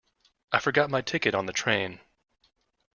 I forgot my ticket on the train.